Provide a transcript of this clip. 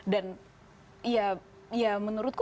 dan ya menurutku